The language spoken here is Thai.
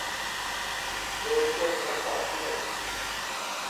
โดยควรประกอบด้วย